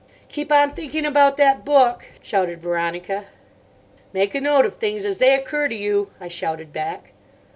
"Keep on thinking about that book," shouted Veronica. "Make a note of things as they occur to you," I shouted back.